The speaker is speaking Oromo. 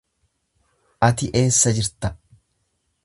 Ati eessa jirta?